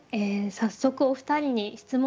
早速お二人に質問です。